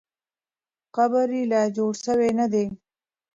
قبر یې لا جوړ سوی نه دی.